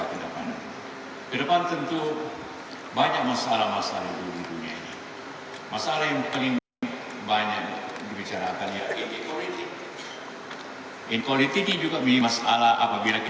akan proteksi profil dunia ini